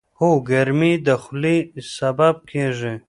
هو، ګرمي د خولې سبب کېږي.